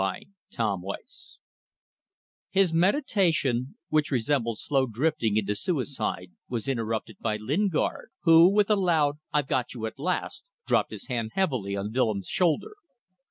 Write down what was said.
CHAPTER FOUR His meditation which resembled slow drifting into suicide was interrupted by Lingard, who, with a loud "I've got you at last!" dropped his hand heavily on Willems' shoulder.